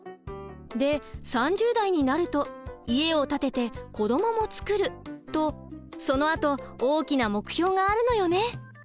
で３０代になると家を建てて子どもも作るとそのあと大きな目標があるのよね。